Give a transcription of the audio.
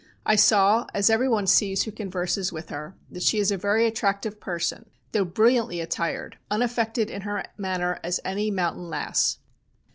I saw, as everyone sees who converses with her, that she is a very attractive person, though brilliantly attired, unaffected in her manner as any mountain lass.